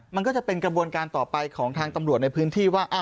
มันก็จะเป็นกระบวนการต่อไปของทางตำรวจในพื้นที่ว่า